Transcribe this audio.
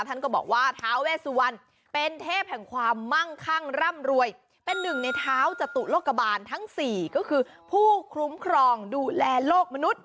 ท่านก็บอกว่าท้าเวสวันเป็นเทพแห่งความมั่งคั่งร่ำรวยเป็นหนึ่งในเท้าจตุโลกบาลทั้งสี่ก็คือผู้คุ้มครองดูแลโลกมนุษย